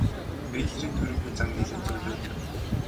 Бэйлорын түрэмгий зан нилээн зөөлрөөд ирэв.